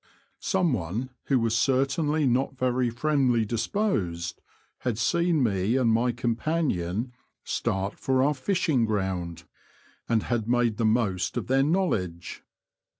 Someone who was certainly not very friendly disposed had seen me and my companion start for our fishing ground, and had made the most of their knowledge.